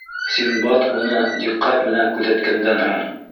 Синдбад уны диҡҡәт менән күҙәткәндән һуң: